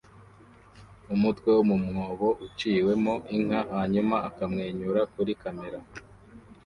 umutwe mu mwobo uciwemo inka hanyuma akamwenyura kuri kamera